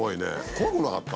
怖くなかった？